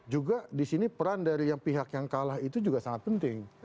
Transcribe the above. juga di sini peran dari pihak yang kalah itu juga sangat penting